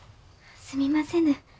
すみませぬ。